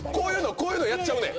こういうのやっちゃうねん。